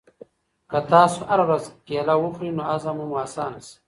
که تاسو هره ورځ کیله وخورئ نو هضم به مو اسانه شي.